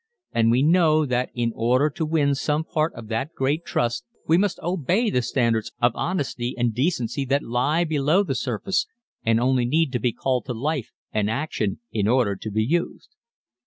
And we know that in order to win some part of that great trust we must obey the standards of honesty and decency that lie below the surface and only need to be called to life and action in order to be used.